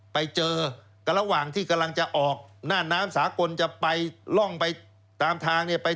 ไปเจอกับระหว่างที่กำลังจะออกหน้าน้ำสากลจะไปร่องไปตามทางเนี่ย